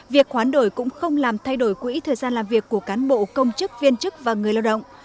việc hoán đổi cũng không làm thay đổi quỹ thời gian làm việc của cán bộ công chức viên chức và người lao động